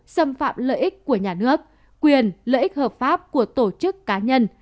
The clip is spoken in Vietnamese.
xâm phạm lợi ích của nhà nước quyền lợi ích hợp pháp của tổ chức cá nhân